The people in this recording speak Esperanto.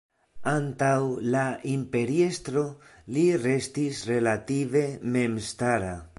Antaŭ la imperiestro li restis relative memstara.